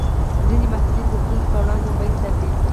ځینې محصلین د ستونزو پر وړاندې امید ساتي.